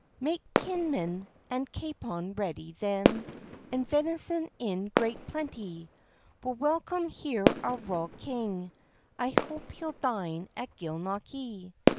"Make kinnen and capon ready, then, And venison in great plentie; We'll welcome here our royal king; I hope he'll dine at Gilnockie!"